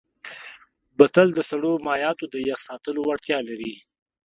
بوتل د سړو مایعاتو د یخ ساتلو وړتیا لري.